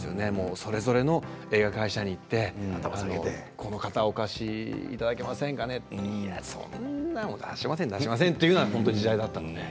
それぞれの映画会社に行ってこの方をお貸しいただけませんかねいやそんな、出しません出しません、という時代だったので。